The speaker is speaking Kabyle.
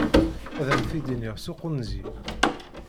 Ad am t-id-iniɣ s uqinẓi.